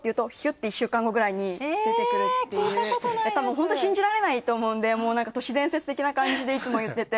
ホント信じられないと思うんでもうなんか都市伝説的な感じでいつも言ってて。